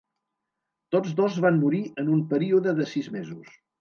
Tots dos van morir en un període de sis mesos.